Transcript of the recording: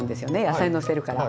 野菜のせるから。